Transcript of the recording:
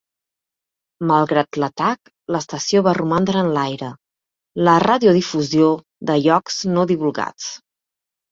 Malgrat l'atac, l'estació va romandre en l'aire, la radiodifusió de llocs no divulgats.